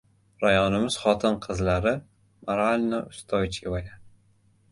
— Rayonimiz xotin-qizlari moralno-ustoychivaya!